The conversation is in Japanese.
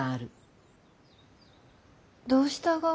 どうしたが？